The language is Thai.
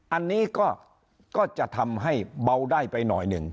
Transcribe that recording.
อันนี้ก็จะทำให้เบาได้ไปหน่อยหนึ่ง